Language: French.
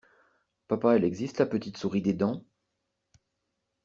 Papa elle existe la petite souris des dents?